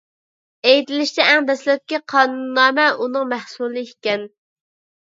ئېيتىلىشىچە، ئەڭ دەسلەپكى قانۇننامە ئۇنىڭ مەھسۇلى ئىكەن.